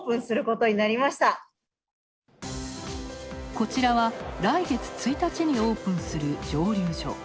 こちらは、来月１日にオープンする蒸留所。